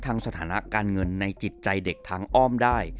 สถานะการเงินในจิตใจเด็กทั้งอ้อมได้